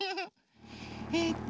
えっと